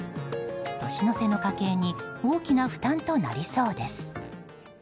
年の瀬の家計に大きな負担となりそうです。